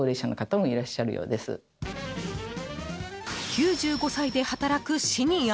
９５歳で働くシニア。